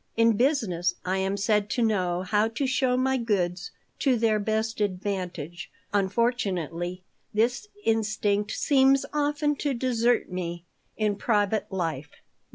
In business I am said to know how to show my goods to their best advantage. Unfortunately, this instinct seems often to desert me in private life.